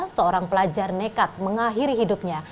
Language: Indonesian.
seorang pelajar nekat mengakhiri hidupnya